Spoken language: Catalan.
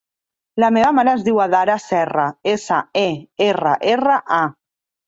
La meva mare es diu Adhara Serra: essa, e, erra, erra, a.